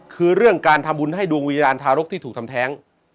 คือเรื่องการทำบุญให้ดวงวิญญาณทารกที่ถูกทำแท้ง